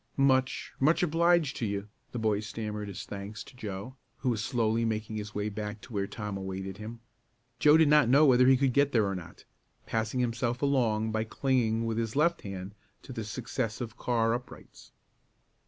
"Much much obliged to you," the boy stammered his thanks to Joe who was slowly making his way back to where Tom awaited him. Joe did not know whether he could get there or not, passing himself along by clinging with his left hand to the successive car uprights.